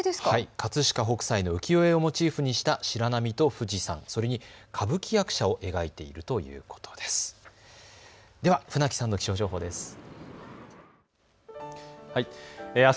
葛飾北斎の浮世絵をモチーフにした白波と富士山、それに歌舞伎役者を描いているということです。